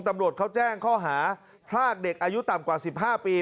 ตำรวจเขาแจ้งข้อหาพรากเด็กอายุต่ำกว่า๑๕ปี